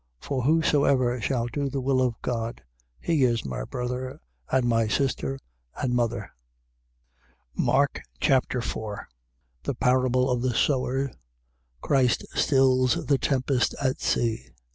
For whosoever shall do the will of God, he is my brother, and my sister, and mother. Mark Chapter 4 The parable of the sower. Christ stills the tempest at sea. 4:1.